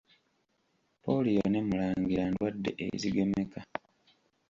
Pooliyo ne mulangira ndwadde ezigemeka.